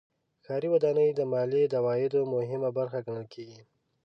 ښاري ودانۍ د مالیې د عوایدو مهمه برخه ګڼل کېږي.